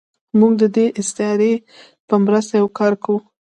موږ د دې استعارې په مرسته یو کار کوو.